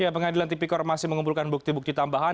pengadilan tipikor masih mengumpulkan bukti bukti tambahan